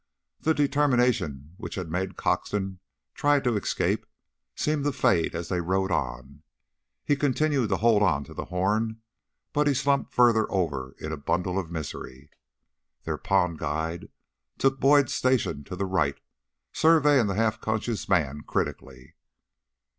The determination which had made Croxton try the escape, seemed to fade as they rode on. He continued to hold to the horn, but he slumped further over in a bundle of misery. Their pond guide took Boyd's station to the right, surveying the half conscious man critically.